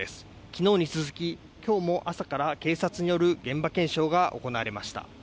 昨日に続き今日も朝から警察による現場検証が行われました